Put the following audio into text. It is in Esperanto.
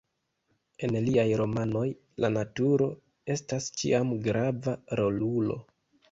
En liaj romanoj la naturo estas ĉiam grava rolulo.